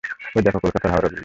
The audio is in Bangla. ঐ দেখো, কলকাতার হাওরা ব্রিজ।